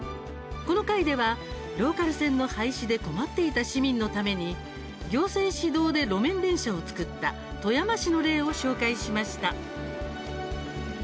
この回ではローカル線の廃止で困っていた市民のために行政主導で路面電車を作った富山市の例を紹介しました。